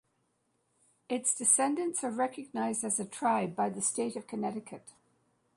Its descendants are recognized as a tribe by the state of Connecticut.